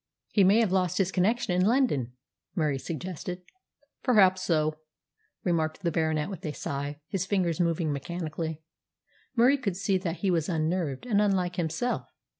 "He may have lost his connection in London," Murie suggested. "Perhaps so," remarked the Baronet with a sigh, his fingers moving mechanically. Murie could see that he was unnerved and unlike himself.